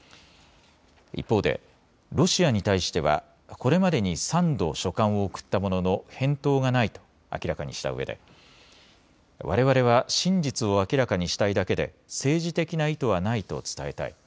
一方でロシアに対してはこれまでに３度、書簡を送ったものの返答がないと明らかにしたうえでわれわれは真実を明らかにしたいだけで政治的な意図はないと伝えたい。